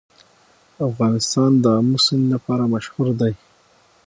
افغانستان د آمو سیند لپاره مشهور دی.